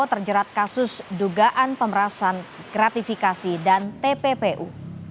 terjerat kasus dugaan pemerasan gratifikasi dan tppu